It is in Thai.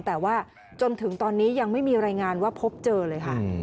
แต่ว่าจนถึงตอนนี้ยังไม่มีรายงานว่าพบเจอเลยค่ะ